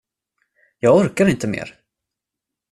Jag orkar inte mer.